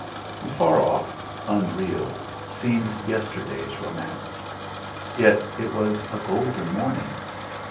And far off, unreal, seemed yesterday's romance! Yet it was a golden morning.